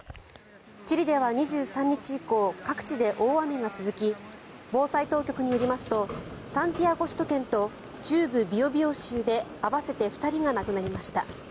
チリでは２３日以降各地で大雨が続き防災当局によりますとサンティアゴ首都圏と中部ビオビオ州で合わせて２人が亡くなりました。